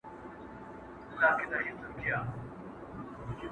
په جهان کي به خوره وره غوغا سي,